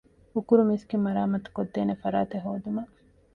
ހުކުރު މިސްކިތް މަރާމާތުކޮށްދޭނެ ފަރާތެއް ހޯދުމަށް